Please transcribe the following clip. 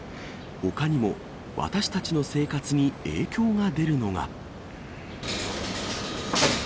ほかにも、私たちの生活に影響が出るのが。